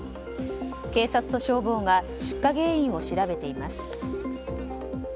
警察と消防が出火原因を調べています。